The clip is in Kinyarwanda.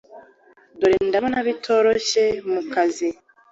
Dore ndabona bitoroshye mukazi